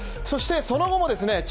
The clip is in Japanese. そしてその後もですね